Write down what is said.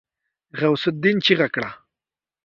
غوث االدين چيغه کړه.